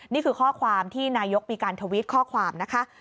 นี่คือข้อความที่นายกมีการทวิตข้อความนะคะ